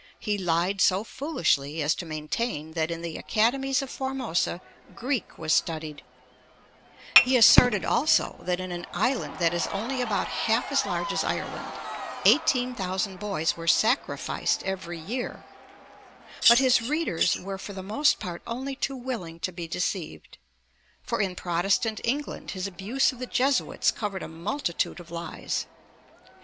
He lied so foolishly as to maintain that in the Academies of Formosa Greek was studied (p. 290). He asserted also that in an island that is only about half as large as Ireland 18,000 boys were sacrificed every year (p. 176). But his readers were for the most part only too willing to be deceived; for in Protestant England his abuse of the Jesuits covered a multitude of lies.